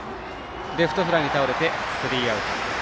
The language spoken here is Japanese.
レフトフライに倒れてスリーアウト。